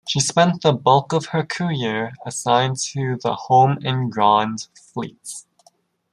She spent the bulk of her career assigned to the Home and Grand Fleets.